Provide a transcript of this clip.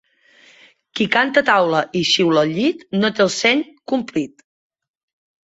Qui canta a taula i xiula al llit no té el seny complit.